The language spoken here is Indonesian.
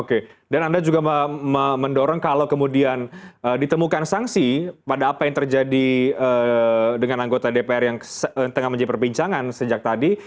oke dan anda juga mendorong kalau kemudian ditemukan sanksi pada apa yang terjadi dengan anggota dpr yang tengah menjadi perbincangan sejak tadi